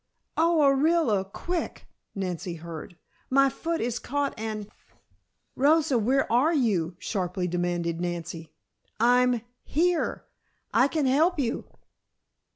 "Oh, Orilla! quick!" Nancy heard. "My foot is caught and " "Rosa, where are you?" sharply demanded Nancy. "I'm here! I can help you!"